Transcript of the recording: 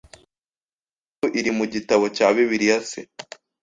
Iyo nkuru iri mu gitabo cya Bibiliya c